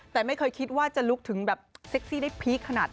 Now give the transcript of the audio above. แต่ไม่เคยคิดว่าจะลุกถึงแบบเซ็กซี่ได้พีคขนาด